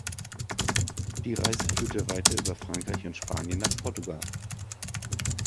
Die Reise führte weiter über Frankreich und Spanien nach Portugal.